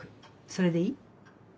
それでいい？